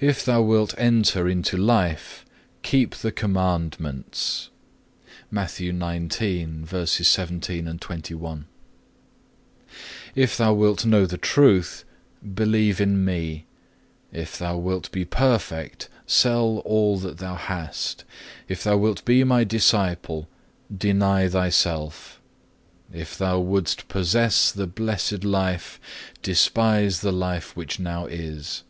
2. "If thou wilt enter into life, keep the commandments.(3) If thou wilt know the truth, believe in Me. If thou wilt be perfect, sell all that thou hast. If thou wilt be My disciple, deny thyself. If thou wouldst possess the blessed life, despise the life which now is.